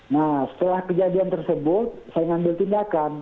nah setelah kejadian tersebut saya mengambil tindakan